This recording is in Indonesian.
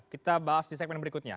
kita bahas di segmen berikutnya